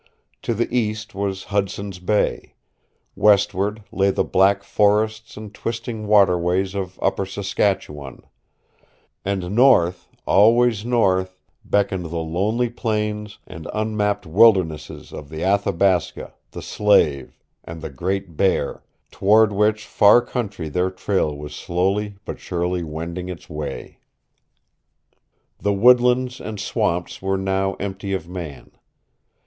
To the east was Hudson's Bay; westward lay the black forests and twisting waterways of Upper Saskatchewan; and north always north beckoned the lonely plains and unmapped wildernesses of the Athabasca, the Slave and the Great Bear toward which far country their trail was slowly but surely wending its way. The woodlands and swamps were now empty of man.